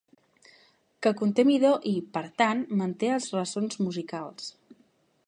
Que conté midó i, per tant, manté els ressons musicals.